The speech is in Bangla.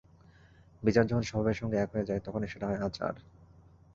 বিচার যখন স্বভাবের সঙ্গে এক হয়ে যায় তখনি সেটা হয় আচার।